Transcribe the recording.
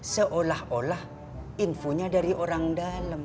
seolah olah infonya dari orang dalam